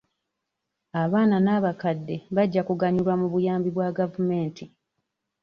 Abaana n'abakadde bajja kuganyulwa mu buyambi bwa gavumenti.